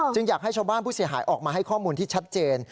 อยากให้ชาวบ้านผู้เสียหายออกมาให้ข้อมูลที่ชัดเจน